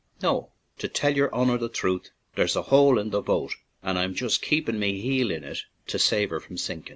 "No; to tell your honor the truth, there's a hole in the boat, an' I'm jist kapin' me heel in it to save her from sinkin'."